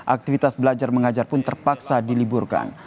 aktivitas belajar mengajar pun terpaksa diliburkan